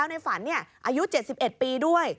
ในฝันเนี่ยอายุ๗๑ปีด้วย